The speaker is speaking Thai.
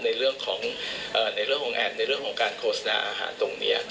ในเรื่องของแอบในเรื่องของการโฆษณาอาหารตรงเนี่ย